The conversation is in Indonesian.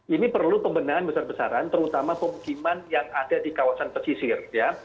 ini perlu pembenahan besar besaran terutama pemukiman yang ada di kawasan pesisir ya